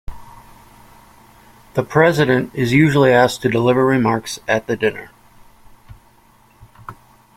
The president is usually asked to deliver remarks at the dinner.